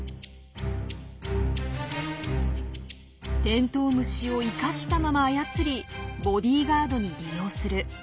テントウムシを生かしたまま操りボディーガードに利用する。